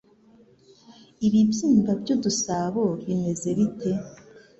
Ibibyimba by'udusabo bimera bite